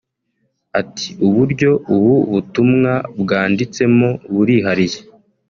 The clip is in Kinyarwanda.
Ati “Uburyo ubu butumwa bwanditsemo burihariye